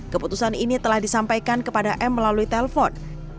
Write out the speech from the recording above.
keputusan ini telah disampaikan kepada m melalui telpon